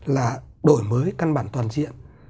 là đổi mới căn bản toàn diện